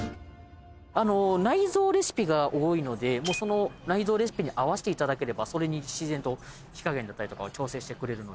内蔵レシピが多いのでその内蔵レシピに合わせていただければそれに自然と火加減だったりとかを調整してくれるので。